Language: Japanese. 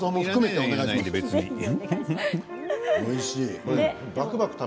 おいしい。